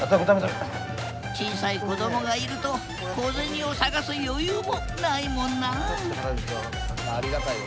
小さい子どもがいると小銭を探す余裕もないもんなあありがたいよ